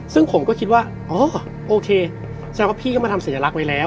ซึ่งผมก็คิดว่าอ๋อโอเคแสดงว่าพี่ก็มาทำสัญลักษณ์ไว้แล้ว